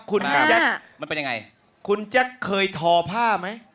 คุณแจ๊คมันเป็นยังไงคุณแจ๊คเคยทอผ้าไหม